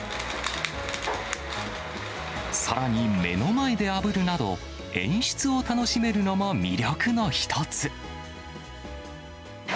さらに、目の前であぶるなど、演出を楽しめるのも魅力の一つ。